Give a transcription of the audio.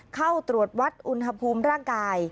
เข้าตรวจวัดอุณหภูมิร่างกาย